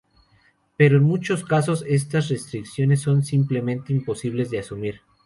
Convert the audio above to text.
Pero en muchos casos, estas restricciones son simplemente imposibles de asumir.